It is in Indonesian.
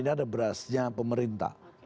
ini ada berasnya pemerintah